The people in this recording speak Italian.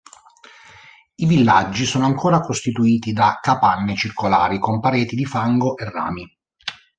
I villaggi sono ancora costituiti da capanne circolari con pareti di fango e rami.